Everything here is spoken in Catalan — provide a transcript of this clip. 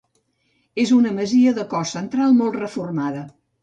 És una masia de cos central, molt reformada.